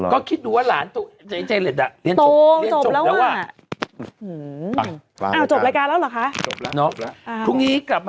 ก็คิดดูว่าหลานจริงแล้ว